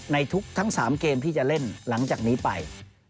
ในทุกทั้ง๓เกมที่จะเล่นหลังจากนี้ไป